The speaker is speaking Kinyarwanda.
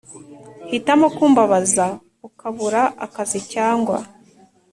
“hitamo kumbabaza ukabura akazi cyagwa